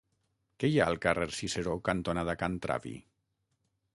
Què hi ha al carrer Ciceró cantonada Can Travi?